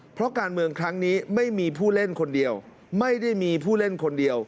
เพราะการเมืองครั้งนี้ไม่มีผู้เล่นคนเดียว